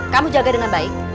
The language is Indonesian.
kamu jaga dengan baik